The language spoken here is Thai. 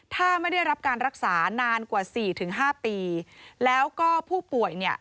ถ้าไม่ได้รับการรักษานานกว่าสี่ถึงห้าปีแล้วก็ผู้ป่วยเนี่ย